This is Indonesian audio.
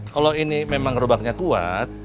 kalau ini memang gerobaknya kuat